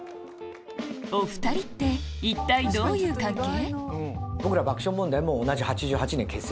お２人って一体どういう関係？